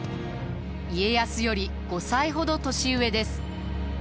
家康より５歳ほど年上です。